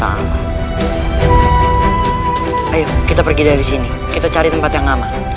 ayo kita pergi dari sini kita cari tempat yang aman